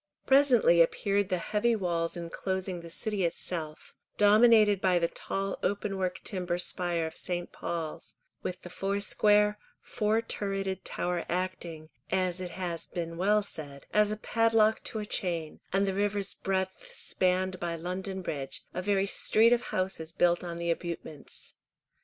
Presently appeared the heavy walls inclosing the City itself, dominated by the tall openwork timber spire of St. Paul's, with the foursquare, four turreted Tower acting, as it has been well said, as a padlock to a chain, and the river's breadth spanned by London bridge, a very street of houses built on the abutments.